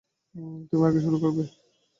তুমি আগে শুরু করবে?